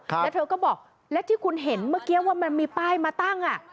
แล้วเธอก็บอกแล้วที่คุณเห็นเมื่อกี้ว่ามันมีป้ายมาตั้งอ่ะ